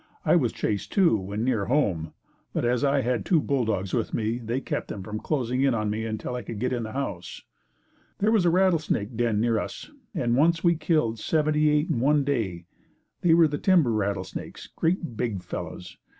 I was chased, too, when near home, but as I had two bulldogs with me, they kept them from closing in on me until I could get in the house. There was a rattlesnake den near us and once we killed seventy eight in one day. They were the timber rattlesnakes great big fellows.